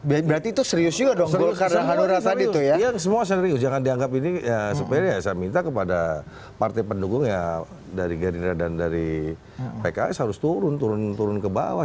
berarti itu serius juga dong semua serius jangan dianggap ini ya supaya saya minta kepada partai pendukung ya dari gerindra dan dari pks harus turun turun turun ke bawah